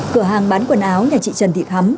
cửa hàng bán quần áo nhà chị trần thị thắm